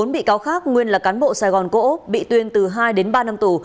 bốn bị cáo khác nguyên là cán bộ sài gòn cổ úc bị tuyên từ hai đến ba năm tù